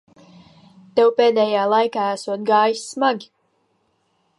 Tev pēdējā laikā esot gājis smagi.